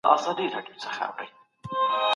دا ميتود به د ځان وژنې کچه معلومه کړي.